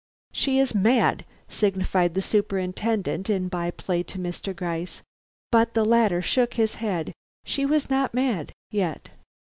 "She is mad," signified the Superintendent in by play to Mr. Gryce. But the latter shook his head; she was not mad yet.